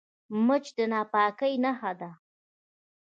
مچ د ناپاکۍ نښه ده